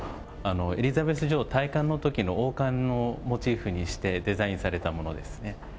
エリザベス女王の戴冠のときの王冠をモチーフにして、デザインされたものですね。